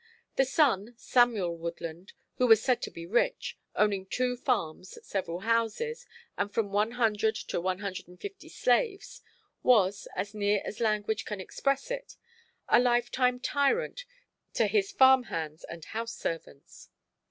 The son, Samuel Woodland, who was said to be rich, owning two farms, several houses, and from one hundred to one hundred and fifty slaves, was, as near as language can express it, a lifetime tyrant to his farm hands and house servants.